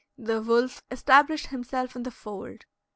The wolf established himself in the fold.